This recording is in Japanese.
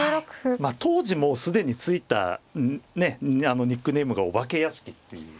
当時もう既に付いたニックネームがお化け屋敷っていう。